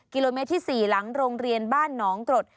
กิโลเมตรที่๔หลังโรงเรียนบ้านหนองกรด